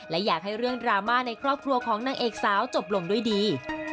และอยากให้เรื่องดราม่าในครอบครัวของนางเอกสาวจบลงด้วยดี